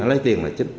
lấy tiền là chính